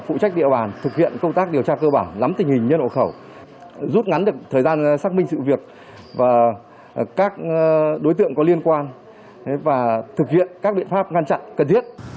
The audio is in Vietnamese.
phụ trách địa bàn thực hiện công tác điều tra cơ bản lắm tình hình nhân hộ khẩu rút ngắn được thời gian xác minh sự việc và các đối tượng có liên quan và thực hiện các biện pháp ngăn chặn cần thiết